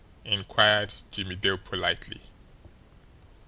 inquired Jimmie Dale politely.